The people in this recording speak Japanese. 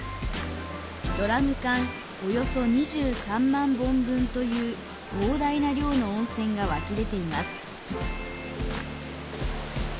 ドラム缶約２３万本分という膨大な量の温泉が湧き出ています。